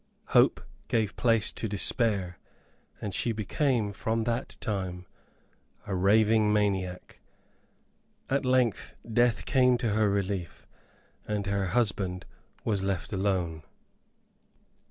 Hope, gave place to despair, and she became, from that time, a raving maniac. At length death came to her relief, and her husband was left alone.